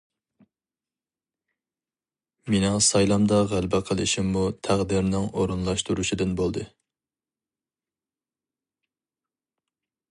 مېنىڭ سايلامدا غەلىبە قىلىشىممۇ تەقدىرنىڭ ئورۇنلاشتۇرۇشىدىن بولدى.